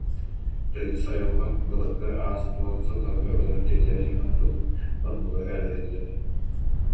Тыйыс айылҕа, былыргы аас-туор сылларга өлөр-тиллэр иһин охсуһуу оннугу эрэйэллэрэ